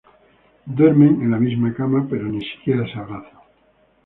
Duermen en la misma cama, pero ni siquiera se abrazan.